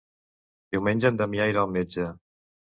Diumenge en Damià irà al metge.